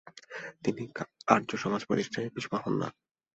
তিনি আর্যসমাজ প্রতিষ্ঠায় পিছু পা হন না।